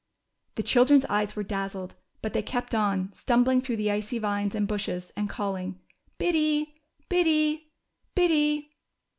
The children's eyes were dazzled, but they kept on, stumbling through the icy vines and bushes, and calling Biddy, Biddy, Biddy."